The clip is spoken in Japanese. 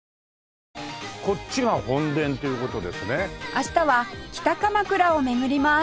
明日は北鎌倉を巡ります